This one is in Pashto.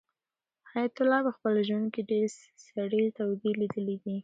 حیات الله په خپل ژوند کې ډېرې سړې تودې لیدلې دي.